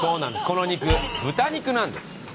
この肉豚肉なんです。